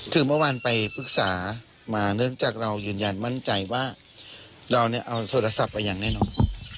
คือเมื่อวานไปปรึกษามาเนื่องจากเรายืนยันมั่นใจว่าเราเนี่ยเอาโทรศัพท์ไปอย่างแน่นอน